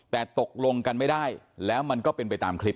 แต่ตกลงกันไม่ได้แล้วมันก็เป็นไปตามคลิป